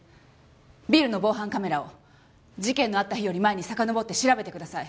ビルの防犯カメラを事件のあった日より前にさかのぼって調べてください。